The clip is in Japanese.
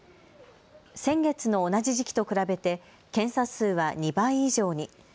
先月の同じ時期と比べて検査数は２倍以上に。